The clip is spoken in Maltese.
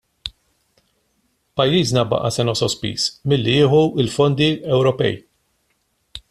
Pajjiżna baqa' sena sospiż milli jieħu l-fondi Ewropej.